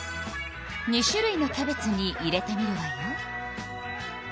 ２種類のキャベツに入れてみるわよ。